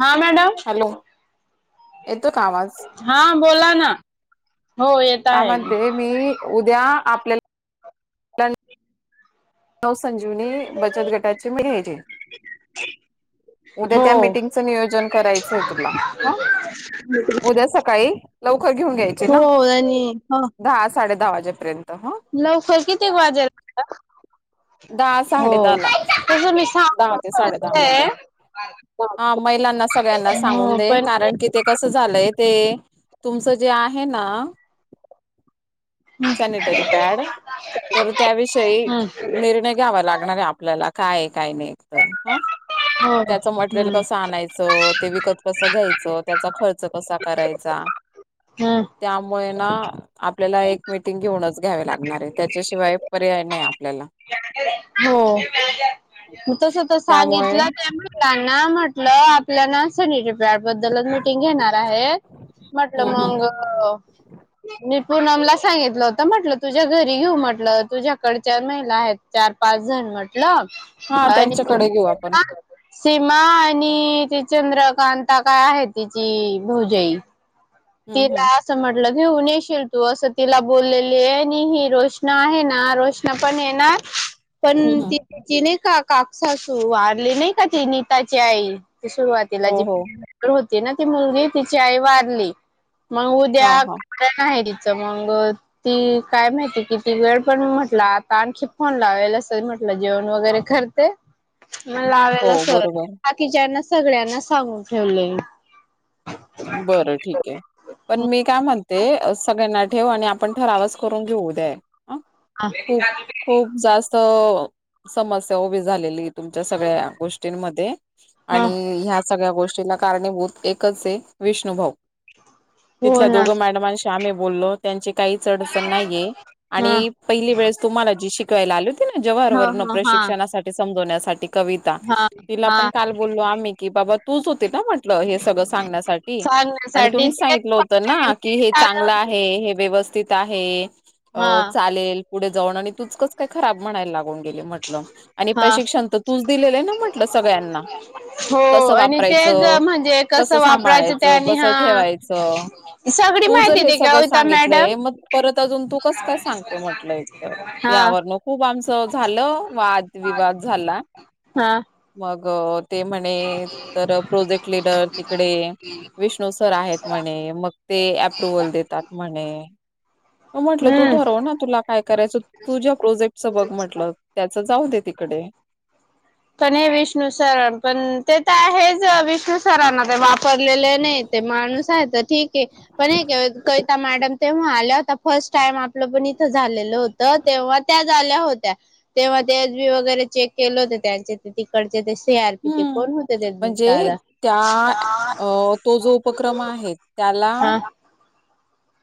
हा madam... hello येतो का आवाज हा बोला ना हो येत... काय आहे म्हणते मी उद्या आपल्याला... नऊ संजीवनी बचत गटाचे मी घजे उद्या हो त्या मीटिंगचं नियोजन करायचंय तुला ह... उद्या सकाळी लवकर घेऊन यायची हो ना.. आणि ह दहा साडे दहा वाजेपर्यंत हो... लवकर कितीक वाजेला... दहा हो साडे दहा ला तस मी स... दहा ते साडे दहा मध्ये हा महिलांना सगळ्यांना सांगून दे पण कारण की ते... कसं झालंय ते तुमचं जे आहे ना... [unintelligible] सॅनिटरी पॅड तर त्याविषयी हो निर्णय घ्यावा लागणार आहे आप ल्याला काय काय नाही तर ह त्याच मटेरियल हम्म कस आणायचं. आस ते विकत कसं घ्यायचं त्याचा खर्च कसा करायचा. हम्! त्यामुळे ना आपल्याला एक मिटिंग घेऊनच घ्यावी लागणार आहे त्याच्याशिवाय पर्याय नाही आपल्याला. [unintelligible] म तस त त्यामुळे सांगितलं त्या मुलांना म्हटलं आपल्या ना सनीरे त्याबद्दलच मिटिंग घेणार आहे म्हटलं हम्म हम्म मग मी पूनमला सांगितलं होत म्हटलं तुझ्या घरी घेऊ म्हटलं तुझ्याकडच्या महिला आहेत. चार पाच जण म्हटल हा आणि. त्यांच्याकडे घेऊ आपण सीमा आणि त चंद्रकांता काय आहे तिची भोजाई. हम् तिला असं म्हटलं हे उ नशील तू असं तिला बोललेली आहे आणि ही रोशना आहे ना रोशन पण येणार पण. हम् ती नाही का काासू वारली नाही का ती नीताची आई त सुरुवात. तिला हो जी हो होती ना ती मुलगी तिची आई वारली. मग हा उद्या हा आहे तिचं मग... ती काय माहिती किती वेळ पण म्हटलं आता आणखी फोन लावाल असेल म्हटलं जेवण वगैरे कर... ते म हो लावाला सर बरोबर बाकीच्याना सगळ्यांना सांगून ठेवले.. बरं ठीक आहे पण मी काय म्हणते सगळ्यांना ठेव आणि... आपण ठरावच करून घेऊ उद्या... खूप [unintelligible] खूप जास्त समस्या उभी झालेली तुमच्या सगळ्या गोष्टींमध्ये. हा आणि ह्या सगळ्या गोष्टीला कारणीभूत एकच आहे विष्णुभाऊ! हो तिथल्या ना दोघं मॅडमांशी आम्ही बोललो त्यांची काही आडचण नाहीये हा आणि पहिली वेळेस तुम्हाला जी शिकायला आली होती ना जव्हर हां, वर्ण हां, हां, प्रशिक्षणासाठी समजवण्यासाठी. कविता हां, तिला पण हां. काल बोललो आम्ही की बाबा तूच होते ना म्हटलं हे सगळं सांगण्यासाठी. आणि सांगण्यासाठी तु तेच सांगितलं होत फक्त ना की आमची हे चालू चांगलं होती. आहे. हे व्यवस्थित आहे हां, चालेल पुढे जाऊन आणि तुचकस काय खराब म्हणायला लाग गेले म्हटलं आणि हां. प्रशिक्षण तर तूच दिलेलं आहे ना म्हटलं सगळ्यांना. हो कस आणि तेच वापरायचं म्हणजे कसं वापरायचं सांभाळायचं. ते आणि कस हां. ठेवायचं सगळी तू जर माहिती हे देते सगळं कविता मॅडम. सांगितलंय, मग परत अजून तू कसं काय सांगते म्हटलं एक तर. हां, यावरन खूप आमचं झालं वाद विवाद झाला. हा... मग ते म्हणे तर प्रोजेक्ट लिडर तिकडे. विष्णू सर आहेत म्हणे मग ते अप्रुव्हल देतात म्हणे. म्हटलं तू हम्म. ठरव ना तु ला. काय करायचं तू ज्या प्रोजेक्टचं बघ म्हटलं त्याच जाऊ दे तिकडे. पण हे विष्णु सरण पण ते तर आहेच विष्णु. सरांना ते वापरलेले नाही ते माणूस आहे तर ठीक आहे पण हे का कविता मॅडम. तेव्हा आल्या होत फर्स्ट टाइम आपलं पण इथं झालेलं होत तेव्हा त्या. ल्या होत्या तेव्हा ते एस बी वगैरे चेक केले होत त्यां. तिकडचे ते से आर पी ते हम्म कोण होते ते म्हणजे दादा. त्या अ तो जो उपक्रम आहेत त्याला हा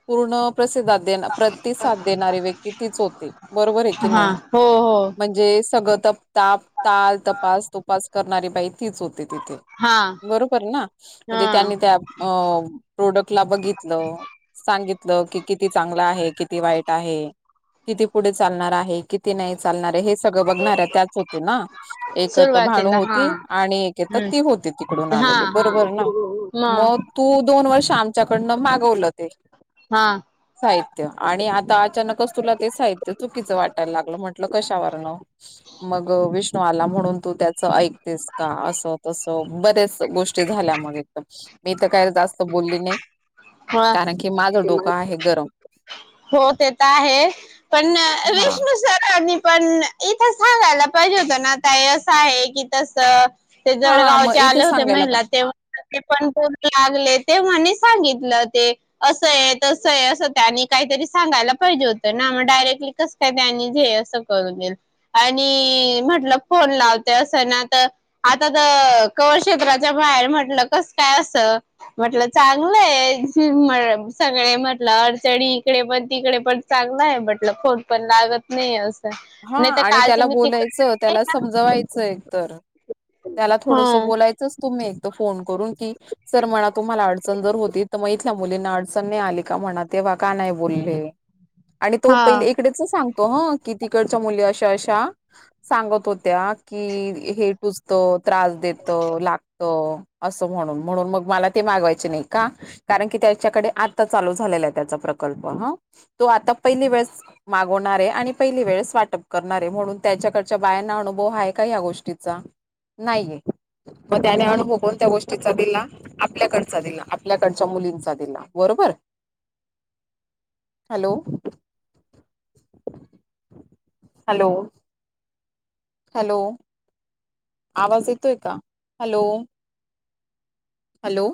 पूर्ण प्रसिद्धात प्रतिसाद देणारी व्यक्ती तीच होते बरोबर आहे की हा नाही. हो हो जे सगळ तप ताप ताल तपास तुपास करणारी बाई तीच होते तिथे. हा बरोबर आहे ना म्हणजे हा त्यांनी त्या अ प्रोडक्टला बघितलं. सांगितलं की किती चांगलं आहे किती वाईट आहे. किती पुढे चालणार आहे किती नाही चालणार आहे हे. सगळं बघणाऱ्या त्याच होते ना एक भाणू सुरुवातीला हो... हा आणि एक येत हम्म ती होती तिकडून हा आलेली हा बरोबर ना म मग.. तू दोन वर्ष आमच्याकडनं मागवलं ते... हा साहित्य आणि आता अचानकच तुला ते साहित्य.. ते चुकीचं वाटायला लागलं म्हंटलं कशावरण मग विष्णू आला म्हणून... तू त्याचं ऐकतेस का असं तसं बऱ्या लच गोष्टी झाल्या मग एकदम... मी तर काय जास्त बोलली नाही ह कारण की माझं डोकं आहे गरम.. हो ते तर आहे पण हा विष्णु सरनी पण... इथं सांगायला पाहिजे होतं ना आताय असं आहे की तस ते हा हा मग जळगावचे इथे आले होते सांगायला पण महिला तेव्हा ते पण परू लागले ते म्हणे सांगितलं ते असं आहे तस आहे असं त्यांनी काहीतरी सांगायला पाहिजे होतं ना मग डायरेक्टली कस काय त्यांनी झे असं करून देई आणि म्हटलं फोन लावते असं ना तर आता तर कवरेज क्षेत्राच्या बाहेर म्हटलं कस काय असं म्हटलं चांगलंय सगळे म्हटलं अडचणी तिकडे पण तिकडे पण चांगलं आहे म्हटलं खोन पण लागत नाही अस. हा आणि त्याला बोलायचं त्याला समजवायचं एकतर. त्याला हा थोडस बोलायचं तुम्ही एक फोन करून की. सर म्हणा तुम्हाला अडचण जर होती तर मग इथल्या मुलींना अडचण नाही आली का म्हणा तेव्हा का नाही बोलले. आणि तो हा पहिले इकडेच सांगतो ह की तिकडच्या मुली अशा अशा सांगत होत. त्या की हे टुचतं त्रास देत लाग. त असं म्हणून म्हणून मग मला ते मागवायचे नाही का कारण की त्याच्याकडे आता चालू झालेला आहे त्याचा प्रकल्प ह तो आता पहिली वेळेस मागवणार आहे आणि पहिली वेळस वाटप करणारे म्हणून त्याच्याकडच्या बायांना अनुभव आहे का ह गोष्टीचा नाहीये मग त्याने अनुभव कोण त्या गोष्टीचा दििला आपल्याकडचा दिला आपल्याकडच्या मुलींचा दिला बरोबर [unintelligible] हॅलो हॅलो हॅलो आवाज येतोय का हॅलो हॅलो